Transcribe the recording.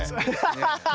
アハハハ！